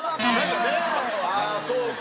ああそうか。